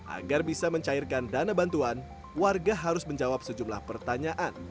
agar bisa mencairkan dana bantuan warga harus menjawab sejumlah pertanyaan